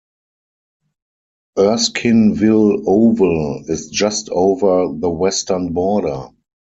Erskineville Oval is just over the western border.